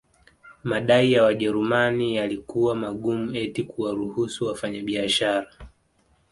Madai ya Wajerumani yalikuwa magumu eti kuwaruhusu wafanyabiashara